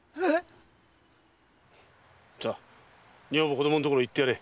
さ女房子供のところへ行ってやれ。